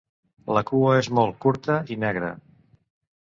La cua és molt curta i negra.